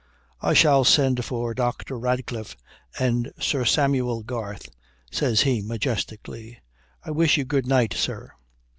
"I shall send for Dr. Radcliffe and Sir Samuel Garth," says he majestically. "I wish you good night, sir."